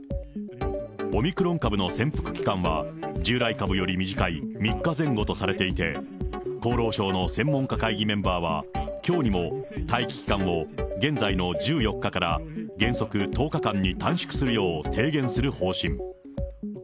オミクロン株の潜伏期間は、従来株より短い３日前後とされていて、厚労省の専門家会議メンバーは、きょうにも待機期間を現在の１４日から原則１０日間に短縮するよう提言する方針。